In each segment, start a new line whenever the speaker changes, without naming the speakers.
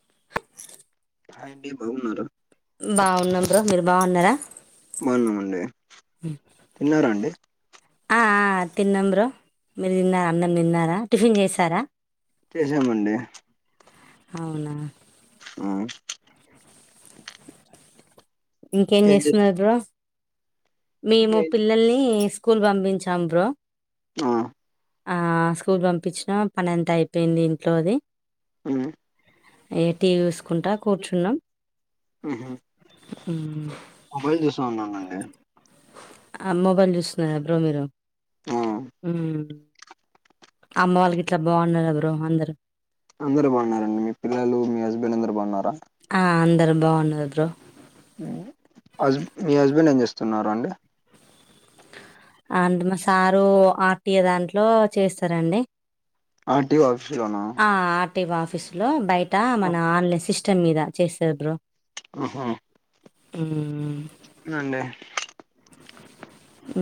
[inaudible]
హాయండి బాగున్నార
బాగున్నాం బ్రో మీరు బాగున్నారా
బాన్నామండి
మ్మ్ ఆ తిన్నాం బ్రో మీరు తిన్నారా అన్నం తిన్నారా టిఫిన్ చేసారా
చేసామండి
అవునా
ఆ
ఇంకేం
ఏం చేస్
చేస్తున్నారు బ్రో మేము పిల్లల్ని కూల్ పంపించాం బ్రో
ఆ
ఆ స్కూల్ పంపించినా పనంతా అయిపోయింది ఇంట్లోది
మ్మ్
ఇగ టీవీ చూసుకుంటా కూర్చున్నాం
మ్మ్ హు
ఉమ్,
మొబైల్ చూస్తాన్నానండి
ఆ మొబైల్ చూస్తున్నార బ్రో మీరు
ఆ
మ్మ్ అమ్మ వాళ్ళు గిట్ల బాగున్నరా బ్రో అందరు
అందరు బాగున్నారండి మీ పిల్లలు మీ హస్బెండ్ అందరు బాగున్నారా
ఆ అందరు బాగున్నారు బ్రో
మ్మ్ హస్బ మీ హస్బెండ్ ఏం చేస్తున్నారండి
అండ్ మా సారు ఆర్టీయ దాంట్లో చేస్తారండి
ఆర్. టి. ఒ ఆఫీస్లోనా
ఆ ఆర్. టి. ఒ ఆఫీసులో బయట మన ఆన్లైన్ సిస్టమ్ మీద చేస్తది బ్రో
అహా
మ్మ్
అవునండి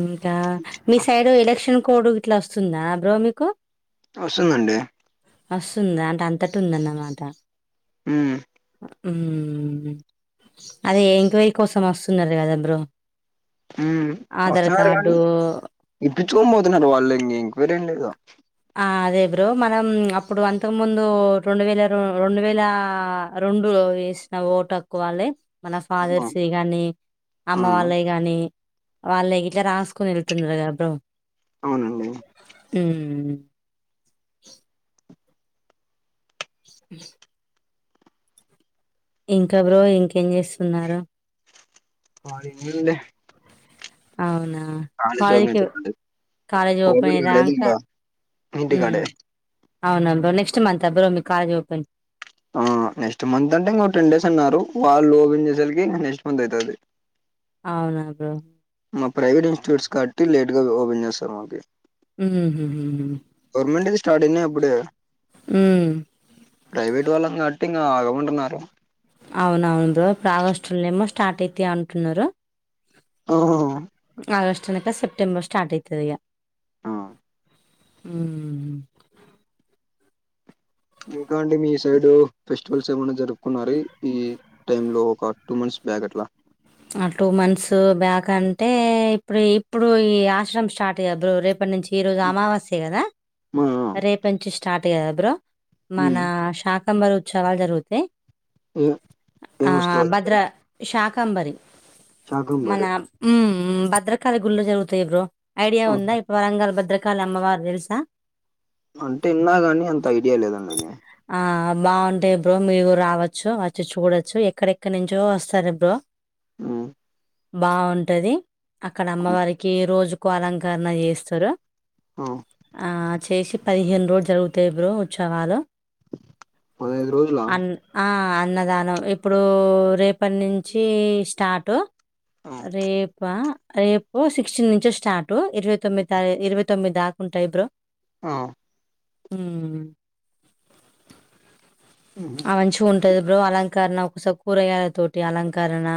ఇంకా మీ సైడు ఎలక్షన్ కోడ్ ఇట్లా వస్తుందా బ్రో మీకు
వస్తుందండి
వస్తుందా అంటే అంతట ఉందన్నమాట
మ్మ్
మ్మ్ అదే ఎంక్వైరీ కోసం వస్తున్నారు కదా బ్రో
మ్మ్
ఆధార్
వస్తున్నారు కానీ
కార్డు
ఇప్పిచ్చుకొని పోతున్నారు వాళ్ళు ఇంగా ఎంక్వైరీ ఏం లేదు
ఆ అదే బ్రో మనం అప్పుడు అంతకు ముందు రెండు వేల రెండు వేల రెండు లో వేసిన ఓటు హక్కువాళ్ళే మన
ఆ
ఫాదర్స్ ఏ గాని
ఆ
అమ్మ వాళ్ళ గాని వాళ్ళే ఇట్లా రాసుకొని వెళ్తున్నారుగా బ్రో
అవును
మ్మ్ మ్మ్ ఇంకా బ్రో ఇంకేం చేస్తున్నారు
వాడి నీల్లె
అవునా
కాలేజ్ చదువు
కాలేజ్కి
ఇంటికాడే.
కాలేజ్ ఓపెన్ అయ్యే
గవర్నమెంట్ కాలేదు
దాంక
ఇంకా ఇంటికాడే
మ్మ్ అవున బ్రో నెక్స్ట్ మంత్ ఆ బ్రో మీ కాలెజ్ ఓపన్
ఆ నెక్స్ట్ మంత్ అంటే ఇంక టెన్ డేస్ అన్నారు వాళ్ళు ఓపెన్ చేశాలకి ఇగ నెక్స్ట్ మంత్ అయితాది
అవునా బ్రో
మా ప్రైవేట్ ఇన్స్టిట్యూట్స్ కాబట్టి లేట్ గా ఓపెన్ చేస్తారు మాకి
మ్మ్ మ్మ్
గవర్నమెంటివి స్టార్ట్ అయినాయి అబ్బుడే
మ్మ్
ప్రైవేట్ వాళ్ళం కాబట్టి ఇంకా అగమంటున్నారు
అవునవును బ్రో ఇపుడు ఆగస్టులేనేమో స్టార్ట్ అయితాయి అంటున్నారు
ఆ
ఆగస్ట్ అనక సెప్టెంబర్ స్టార్ట్ అయితది ఇగా మ్మ్
ఇంకా అండి మీ సైడ్ ఫెస్టివల్స్ ఏమన్నా జరుపుకున్నారు ఈ టైంలో ఒక టూ మంత్స్ బ్యాక్ అట్లా
ఆ టూ మంత్స్ బ్యాక్ అంటే ఇప్పుడు ఇప్పుడు ఈ ఆశ్రమ స్టార్ట్ అయ్య రేపటి నుంచి ఈ రోజు అమావాస్య కదా
ఆ
రేప నుంచి స్టార్ట్ కదా బ్రో మన
ఉమ్
షాక్ సెప్టెంబర్ ఉత్సవాలు జరుగుతాయి
ఏ ఏం
ఆ
వస్తువులండి
భద్ర శాకాంబరి మన
శాకంబరి
మ్మ్ భద్రకాళి గుళ్ళో జరుగుతాయి బ్రో ఐడియా ఉందా వరంగల్ భద్రకాళి అమ్మవారు తెలుసా
అంటే విన్నా గాని అంత ఐడియా లేదండి అది
ఆ బాగుంటాయి బ్రో మీరు రావచ్చు వచ్చి చూడొచ్చు ఎక్కడెక్కడి నుంచో వస్తారు బ్రో
ఉమ్
బాగుంటది అక్కడ అమ్మవారికి రోజుకో అలంకరణ చేస్తరు
ఆ
ఆ చేసి పదిహేను రోజులు జరుగుతాయి బ్రో ఉత్సవాలు
పదహైదు రోజులా
అన్ ఆ అన్నదానం ఇప్పుడు రేపటి నుంచి స్టాటు
ఆ
రేపా రేపు సిక్స్టీన్ నుంచి స్టాటు ఇరవై తొమ్మిది తారీఖ ఇరవై తొమ్మిద్దాకుంటాయి బ్రో
ఆ
మ్మ్
మ్మ్
మంచిగుంటది బ్రో అలంకరణ ఒకసారి కూరగాయల తోటి అలంకరణ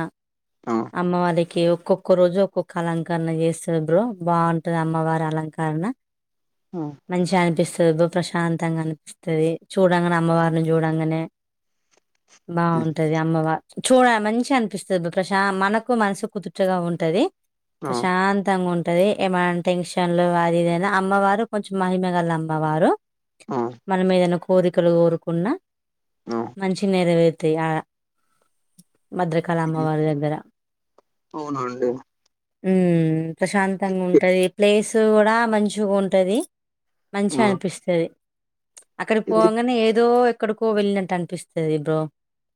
ఆ
అమ్మవారికి కి ఒక్కొక్క రోజు ఒక్కొక్క అలంకరణ చేస్తంది బ్రో బాగుంటది అమ్మవారి అలంకరణ
ఆ
మంచిగనిపిస్తది బ్రో ప్రశాంతంగా అనిపిస్తది చూడంగానే అమ్మవారిని చూడంగా అనే
ఆ
బాగుంటది అమ్మవ చూడ మంచి అనిపిస్తది బ్రో ప్రశాంత మనకు మనసు కుదుటగా ఉంటది
ఆ
ప్రశాంతంగా ఉన్ ఉంటది ఏమైనా టెన్షన్లు అది ఇదైనా అమ్మవారు కొంచెం మహిమ గల అమ్మవారు
ఆ
మనం ఏదైనా కోరికలు కోరుకున్నా
ఆ
మంచిగా నేరవేరతాయి ఆడ భద్రా కలామ్మవారి దగ్గర
అవునండి
మ్మ్ ప్రశాంతంగా ఉంటది ప్లేస్ కూడా మంచిగుంటది మంచిగా
ఆ
అనిపిస్తది అక్కడి
ఇది
పోంగానే ఏదో ఎక్కడికో వెళ్ళినట్టు అనిపిస్తది బ్రో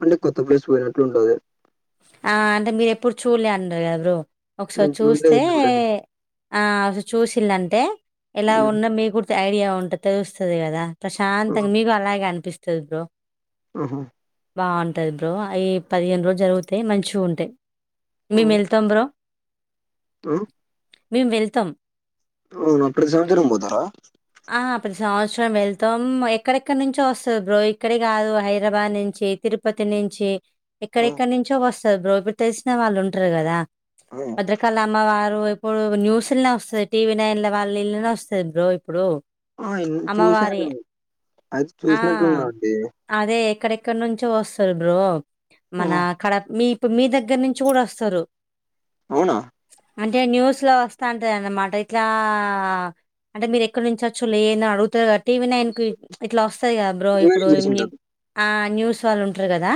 అంటే కొత్త ప్లేస్ పోయినట్లుంటది
ఆ అంటే మీరు ఎప్పుడు చూడలే అన్నారు కదా బ్రో ఒకసారి
నేను
చూస్తే
చూడలేదండి ఎప్పుడైనా
ఆ ఒసా చూసిల్లంటే ఎలా
ఉమ్
ఉన్నా మీగ్గుడా ఐడియా ఉంటది తెలుస్తది గదా ప్రశాంతంగా మీకు అలాగే అనిపిస్తది బ్రో
అహా
బాంటది బ్రో అవి పదిహేను రోజులు జరుగుతాయి మంచిగుంటాయి
ఆ
మీమెళ్తాం బ్రో
ఆ
మేము వెళ్తాం
అవును ప్రతి సంవత్సరం బోతారా
ఆ ప్రతి సంవత్సరం వెళ్తాం ఎక్కడెక్కడి నుంచో వస్తా రు బ్రో ఇక్కడే కాదు హైదరాబాద్ నుంచి తిరుపతి నుంచి
ఆ
ఎక్కడెక్కడ నుంచి నుంచో వస్తారు బ్రో ఇప్పుడు తెలిసిన వాళ్ళు ఉంటారు కదా
ఆ
భద్రకాళమ్మవారు ఇప్పుడు న్యూస్లోనే వస్తది టీవీ నైన్ల వాళ్ళ ఇళ్ళనే వస్తది బ్రో ఇప్పుడు
ఆ చూసినా
అమ్మవారి
గాని ఆది
ఆ
చూసినట్లే వున్నదండి
అదే ఎక్కడెక్కడ నుంచో వస్తారు బ్రో
ఆ
మన అక్కడ కడ మీ ఇప్పు మీ దగ్గర నుంచి కూడా వస్తారు
అవునా
అంటే న్యూస్ లో వస్తాంటది అన్నమాట ఇట్లా అంటే మీరు ఎక్కడ నుంచి వచ్చు లే ఏని అడుగుతారు కదా టీవీ నైన్కి ఇట్లా వస్తంది కదా బ్రో
మీరే
ఇప్పుడు
చేసింటారు
ఆ న్యూస్ వాళ్ళు ఉంటారు కదా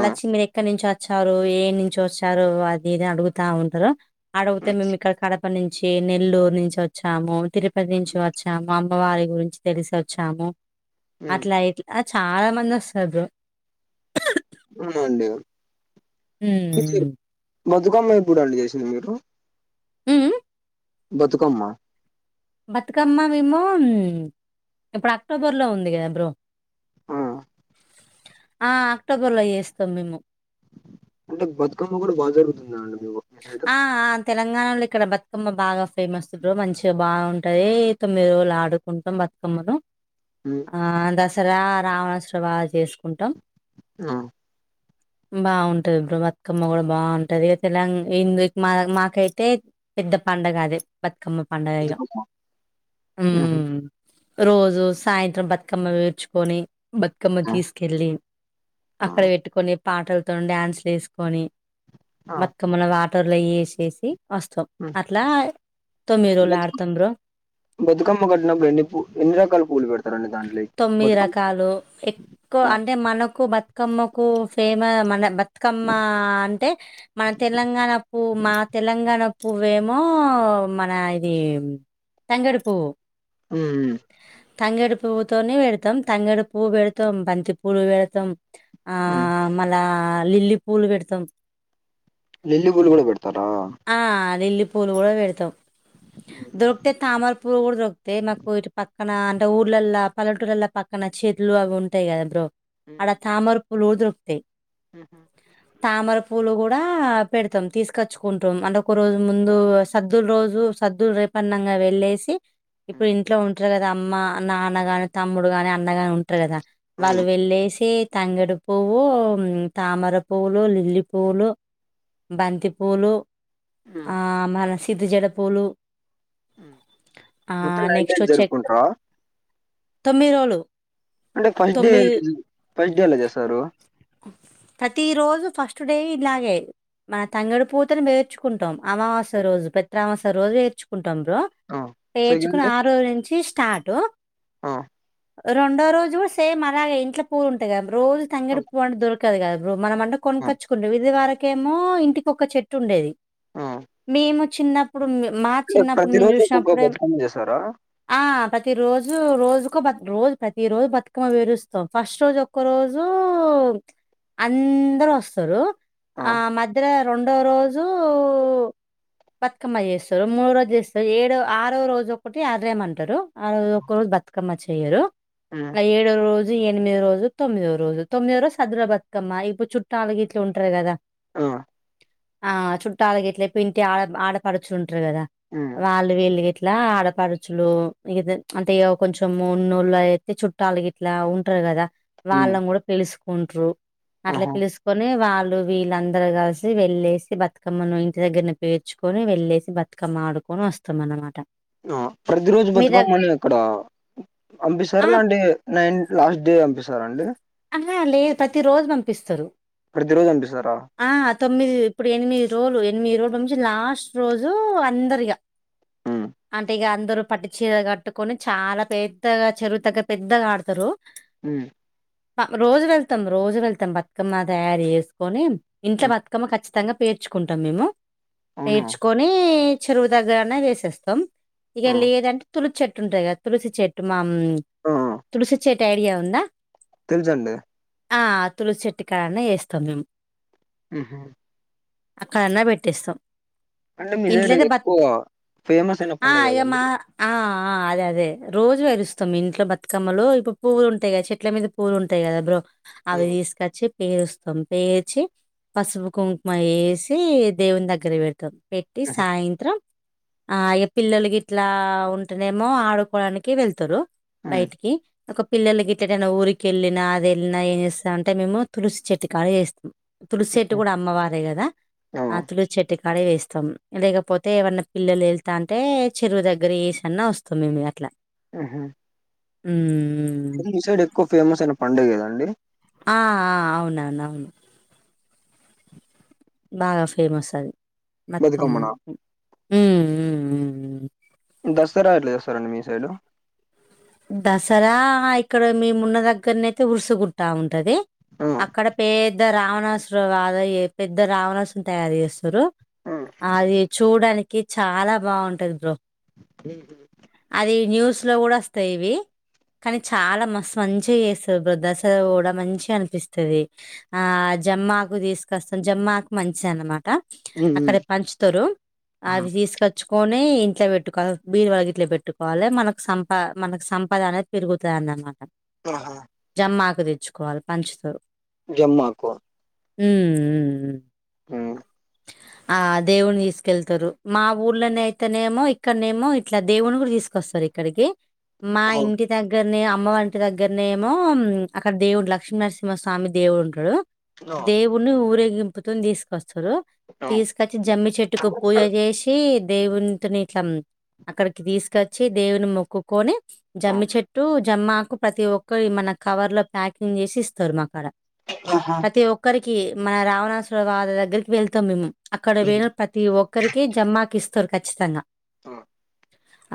ఆ
వచ్చి మీరు ఎక్కడి నుంచి వచ్చారు ఏ నుంచి వచ్చారు అది ఇది అడుగుతా ఉంటారు ఆడవతే మ మీమ్ ఇక్కడ కడ అప్పటి నుంచి నెల్లూరు నుంచి వచ్చాము తిరుపతి నుంచి వచ్చాము అమ్మవారి గురించి తెలిసి వచ్చాము
ఉమ్
అట్లా ఇట్లా చాలా మంది వస్తారు బ్రో
అవునండి
హ్మ్
ఇది బతుకమ్మ ఎప్పుడు అండి చేసింది మీరు
ఉ మ్
బతుకమ్మ
బతుకమ్మ మేమో ఇప్పుడు అక్టోబర్ లో ఉంది కదా బ్రో
ఆ
ఆ అక్టోబర్ లో చేస్తాం మేము
అంటే బతుకమ్మ కూడా బాగా జరుగుతుంద అండి మీకు
ఆఆ తెలంగాణలో ఇక్కడ బతుకమ్మ బాగా ఫేమస్ మంచిగా బాగుంటది తొమ్మిది రోజులు ఆడుకుంటాం బతు మ్మను
ఉమ్
[unintelligible] ఆ దసరా రావణోసరవ చేసుకుంటాం
ఆ
బాగుంటది బ్రో బతుకమ్మ కూడా బాగుంటది తెలంగాన ఇందుకు మా మాకైతే పెద్ద పండుగ అది బతుకమ్మా పండగే ఇగా
బతుకమ్మ ఉహు
రోజు సాయంత్రం బతుకమ్మ వేర్చుకొని బతుకమ్మ
ఆ
తీసుకెళ్ళి
ఆ
అక్కడ పెట్టుకొని పాటలతో డ్యాన్సులు వేసుకొని
ఆ
బతుకమ్మని వాటర్లో వేసేసి వస్తాం అట్లా తొమ్మిది రోజులు
బతు
ఆడుతాం బ్రో
బతుకమ్మ పెట్టినపుడు ఎన్ని ఎన్నిరకాలు పూలు పెడతా రండి దాంట్లోకి
తొమ్మిది
బతుకమ్
రకాలు ఎక్కువ అంటే మనకు బతుకమ్మకు ఫేమ మన బ కమ్మ అంటే మన తెలంగాణ పూ మా తెలంగాణ పువ్వేమో మన ఇది తంగేడుపువ్వు
ఉ
తంగడి పువ్వుతోనే పెడతాం తంగడి పువ్వు పెడతాం బంతి పూలు పెడతాం ఆ
ఉమ్
మళ్ళా లిల్లీ పూలు పెడతాం
లిల్లి పూలు కూడా పెడతారా
ఆ లిల్లీ పూలు కూడా పెడతాం దొరికితే తామర పూలు కూడా దొరు అయితే మాకు ఇటు పక్కన అంటే ఊర్లలా పల్లెటూరలా పక్కన చెట్లు అవి ఉంటాయి కదా బ్రో అడ తామర పూలు కూడా దొరుకుతాయి
హహ
తామర పూలు కూడా పెడతాం తీసకొచ్చుకుంటాం అంట ఒక రోజు ముందు సద్దుల రోజు సద్దుల రేపన్నంగా వెళ్ళేసి ఇప్పుడు ఇంట్లో ఉంటారు కదా అమ్మ నాన్నగాని తమ్ముడు గాని అన్నగాని ఉంటారు కదా వాళ్ళు వెళ్ళేసి తంగడి పువ్వు తామర పువ్వులు లిల్లి పువ్వులు బంతిపూలు ఆ మళ్ళా సిద్ధజడ పూలు
ఉమ్
ఆ
మొత్తం నైన్
నెక్స్ట్
డేస్
చెక్
జరుపుకుంటార
తొమ్మిది రోజులు
అంటే ఫస్ట్ డే
తొమ్మిది
ఎట్ల్ ఫస్ట్ డే ఎలా చేస్తారు
ప్రతి రోజు ఫస్ట్ డే ఇలాగే మన తంగడి పూతను పేర్చుకుంటాం అమావాస్య రోజు పెత్ర అమావాసయ రోజు పేర్చుకుంటాం బ్రో
ఆ సెకండ్
పేర్చుకుని
డే
ఆరోజు నుంచి స్టాటు
ఆ
రెండో రోజు కూడా సేమ్ అలాగే ఇంట్లో పవ్వు ఉంటయిగదా బ్రో రోజు
ఆ
తంగిడి పువ్వంట దొరక కదా బ్రో మన అంటే
ఆ
కొనక్కొచ్చుకుంట ఇది వరకి కేమో ఇంటికి ఒక చెట్టు ఉండేది
ఆ!
మేము చిన్న ఇప్పుడు మా
అంటే
చిన్నప్పుడు
ప్రతి
మేము
రోజు ఒక్కొక్క
చూసినప్పుడే
బతుకమ్మ చేస్తారా
ఆ ప్రతి రోజు రోజుకో బత్ రోజు ప్రతి రోజు బతుకమ్మ పేరుస్తాం ఫస్ట్ రోజు ఒక్ ఒక రోజు అందరు వస్తారు ఆ మధ్యలో రెండో రోజు బతుకమ్మ చేస్తారు మూడు రోజు చేస్తారు ఏడో ఆరో రోజు ఒకటి ఆధాయం అంటారు ఆరోజు ఒక్క రోజు బతుకమ్మ చెయ్యరు
ఉమ్
ఇంగ ఏడ్ రెండో రోజు ఎనిమిదోరోజు తొమ్మిదో రోజు తొమ్మిదోరోజు సదుర బతుకమ్మ ఇప్పుడు చుట్టాలుగిట్ల ఉంటారు గదా
ఆ
ఆ చుట్టాలుగిట్ల ఇంటి ఆడ ఆడపడుచుంటారు కదా
ఉమ్
వాళ్ళు వీళ్ళుగిట్లా ఆడపడుచులు ఇగ అంటే ఇగా కొంచెం వున్నోళ్ళయ చుట్టాలాగిట్లా ఉంటారు గదా
ఉమ్
వాళ్ళను గూడా పిలుసుకుంట్రు అట్లా
ఆహా
పిలుసుకొని వాళ్ళు వీళ్ళందరుూ కలిసి వెళ్ళేసి బతుకమ్మను ఇంటి దగ్గరనా పేర్చుకొని వెళ్లేేసి బత్ బతుకమ్మ ఆడుకొని వస్తాం అనమాట
ఆ ప్రతి రోజు బతుకమ్మ అక్కడ అంపిస్తారా
ఆ!
లేకుంటే నైన్ లాస్ట్ డే పంపిస్తారా అండి
అహా లేదు ప్రతి రోజు పంపిస్తారు
ప్రతి రోజు అంపిస్తారా
ఆ తొమ్మిది ఇప్పుడు ఎనిమిది రోజులు ఎనిమిది రోజుల నుంచి లాస్ట్ రోజు అందరిగా
మ్మ్
అంటే ఇగ అందరు పట్టుచీర కట్టుకొని చాలా పెద్దగా చెరువు తగ్గరా పెద్దగా ఆడతారు
మ్మ్
రోజు వెళ్తాం రోజు వెళ్తాం బతుకమ్మ తయారు చేసుకొని ఇంట్లో బతుకమ్మ ఖచ్చితంగా పేర్చుకుంటాం మేము
అవును
పేర్చుకుం కొనీ చెరువు దగ్గరనే వేసేస్తాం ఇక
ఆ
లేదంటే తులసి చెట్టుంటాయి కదా తులసి చెట్ టు మా
ఆ
తుడిసి చెట్ ఐడియా ఉందా
తెల్సండి
ఆ తులసి చెట్టుకాయన్న వేస్తాం మేము
మ్మ్ హ్మ్
అక్కడన్నా పెట్టేస్తాం
అంటే మీ సైడ్
ఇంట్లోతే బ
ఎక్కువ ఫేమస్ అయిన
ఆ
పండగ
ఇగ మా
ఏదండి
ఆ ఆ అదే అదే రోజు పేరుస్తాం ఇంట్లో బతుకమ్మలు ఇప్పుడు పువ్వులుంటాయి కదా చెట్ల మీద పూలుంటాయి కదా బ్రో అవి
ఉమ్
తీసుకొచ్చి పేరుస్తాం పేరు వచ్చి పసుపు కుంకుమ వేసి దేవుని దగ్గర పెడుత తాం పెట్టి సాయంత్రం ఆ ఇగ పిల్లలకి ఇట్లా ఉంటేనేమో ఆడుకోడానికి వెళ్తారు
ఉమ్
బయిటికి ఒక పిల్లలు ఇట్లా గేనా ఊరిక వెళ్ళినా అది వెళ్ళినా ఏం చేస్తా అంటే మేము తులసి చెట్టుకాడా చేస్ తులసి చెట్టు కూడా అమ్మవారే కదా
ఆ
అతులు చెట్టుకాడ వేస్తాం లేకపోతే ఏవన్నా పిల్లలు వెళ్తా అంటే చెరువు దగ్గర వేసన్నా వస్ తోమి ఎనిమి గంట్ల
ఆహా
ఉ
ఈ సైడ్ ఎక్కు ఫేమస్ అయిన పండుగ ఏదండి
ఆ అవునను అవును బాగా ఫేమస్ అది బతుకమ్మ
బతుకమ్మనా
మాకు ఉ ఉ ఉ
దసరా ఎట్లా చేస్తారండి మీ సైడ్
దసరా ఇక్కడ మీమున్న దగ్గరనే అయితే ఉరుసుగుట్ట ఉంటది
ఆ
అక్కడ పెద్ద రావణాసుర వారై పెద్ద రావణాసుర్ తయారు చేస్తారు
ఆ
అది చూడానికి చాలా బాగుంటది బ్రో
ఉహు
అది న్యూస్ లో కూడా వస్తాయి ఇవి కానీ చాలా మస్తు మంచిగా చేస్తుంది బ్రో దసరా రోజు కూడా మంచి అనిపిస్తది ఆ జమ్మాకు తీసుకొస్తాం జమ్మాకు మంచి అనమాట
ఉమ్
అక్కడ పంచుతారు
ఉమ్
అవి తీసుకచ్ చుకోని ఇంట్లో పెట్టుకోవ్ బీరువా గిట్ల పెట్టుకోవాలే మనకు సం ప మనక్ సంపద అనేది పెరుగుతది అని అనమాట
ఆహా
మాకు తెచ్చుకోవాలి పంచుతారు
జమ్మకు
ఉ ఉ
ఉ
ఆ దేవుని తీసుకెళ్తారు మా ఊర్లోనే అయితేనేమో ఇక్కడనేమో ఇట్లా దేవుని కూడా తీసుకొస్తారు ఇక్కడికి మా
ఓ
ఇంటి దగ్గరనే అమ్మ ఇంటి దగ్గరనేమో అక్కడ దేవుడు లక్ష్మీనరసింహ స్వామి దేవుడు ఉంటాడు
నో
దేవుని ఊరేగింపుతోన్ తీసుకొస్తారు తీసుకొచ్చి జమ్మి చెట్టుకు పూజ చేసి దేవునితోనే ఇట్లా అక్కడికి తీసుకచ్చి దేవుని మొక్కుకొని జమ్మి చెట్టు జమ్మాకు ప్రతి ఒక్కరు ఈ మన కవర్ లో ప్యాకింగ్ చేసి ఇస్తారు మాక్కడ
ఆహా
ప్రతి ఒక్కరికి మన రావణాసురవాద దగ్గరికి వెళ్తాం మేము అక్కడ
ఉమ్
వేను ప తి ఒక్కరికి జమ్మాకు ఇస్తారు ఖచ్చితంగా
ఆ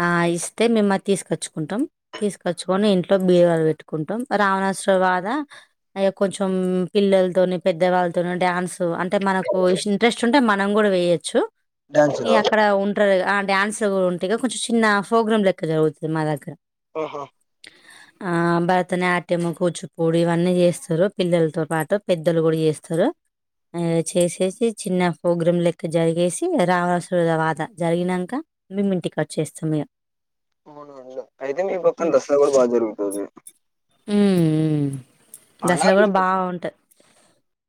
ఆ ఇస్తే మేం అది తీసుకచ్చుకుంటాం తీసుకచ్చుకొని ఇంట్లో బీరువాలో పెట్టుకుంటాం రావణాసురవద అయ కొంచెం పిల్లలతోని పెద్దవాళ్ళతోను డ్యాన్సు అంటే మనక్ పో ఇంట్రెస్ట్ ఉంటే మనం కూడా వేయొచ్చు ఈ
డాన్సులు
అక్కడ ఉన్ ట్రా ఆ డ్యాన్స్ ఉంటే ఇగా కొంచెం చిన్న ప్రోగ్రామ్ లెక్క జరుగుతుంది మా దగ్గర
ఆహా
ఆ భరతనాట్యము కూచిపూడి ఇవన్నీ జేస్తురు పిల్లలతో పాటు పెద్దలు గూడా జేస్తురు ఆ చేసి వచ్చేసి చిన్న ప్రోగ్రాం లెక్క జరిగేసి రావణాసువాత జరిగినంకా మేం ఇంటికి వచ్చేస్తిమి
అవునుండు అయితే మీ పక్కన రస్త కూడా బాగా జరుగుతది
మ్మ్ దసరా
పండగ
బాగుంటాయి